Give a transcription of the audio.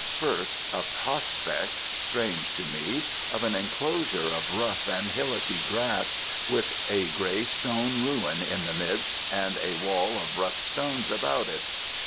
First, a prospect, strange to me, of an enclosure of rough and hillocky grass, with a grey stone ruin in the midst, and a wall of rough stones about it.